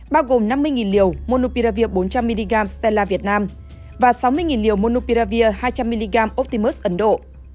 bao gồm năm mươi liều monopiravir bốn trăm linh mg stella việt nam và sáu mươi liều monopiravir hai trăm linh mg optimus ấn độ